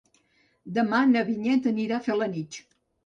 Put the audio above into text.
Demà na Vinyet anirà a Felanitx.